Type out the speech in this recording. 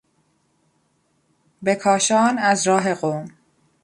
به کاشان از راه قم